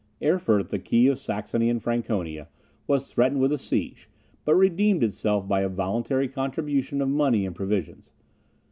Erfurt, the key of Saxony and Franconia, was threatened with a siege, but redeemed itself by a voluntary contribution of money and provisions.